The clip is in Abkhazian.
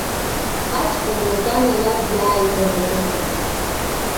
Аҷкәын макьана иаб иааигәара дыҟан.